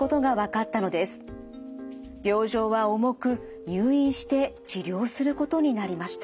病状は重く入院して治療することになりました。